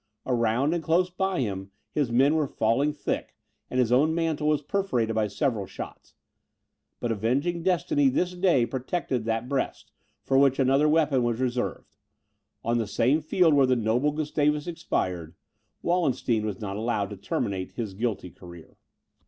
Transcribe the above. Around and close by him his men were falling thick, and his own mantle was perforated by several shots. But avenging destiny this day protected that breast, for which another weapon was reserved; on the same field where the noble Gustavus expired, Wallenstein was not allowed to terminate his guilty career.